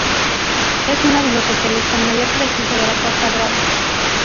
Es uno de los hoteles con mayor prestigio de la Costa Brava.